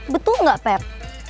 betul gak pep